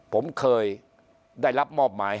ผมเคยได้รับมอบหมาย